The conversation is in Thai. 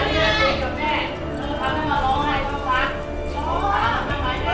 อย่าเอามันเดินเข้ามา